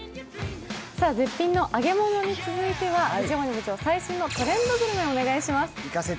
絶品の揚げ物に続いては、藤森部長、最新のトレンドグルメお願いします。